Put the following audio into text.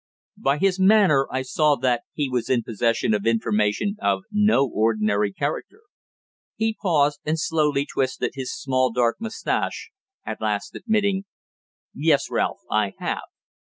By his manner I saw that he was in possession of information of no ordinary character. He paused, and slowly twisted his small dark moustache, at last admitting "Yes, Ralph, I have."